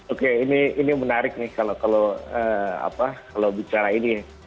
oke ini menarik nih kalau bicara ini ya